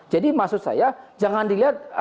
jadi maksud saya jangan dilihat